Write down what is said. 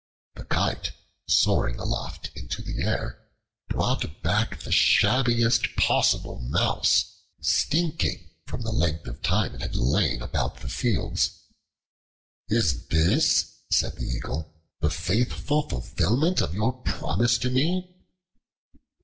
The Kite, soaring aloft into the air, brought back the shabbiest possible mouse, stinking from the length of time it had lain about the fields. "Is this," said the Eagle, "the faithful fulfillment of your promise to me?"